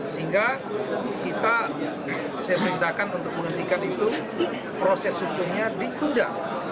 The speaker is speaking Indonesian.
sehingga kita saya perintahkan untuk menghentikan itu proses hukumnya ditunda